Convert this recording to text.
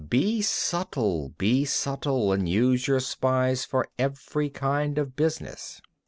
18. Be subtle! be subtle! and use your spies for every kind of business.